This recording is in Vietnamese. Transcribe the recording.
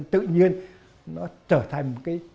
tự nhiên nó trở thành